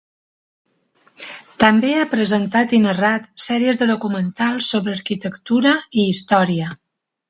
També a presentat i narrat sèries de documentals sobre arquitectura i història.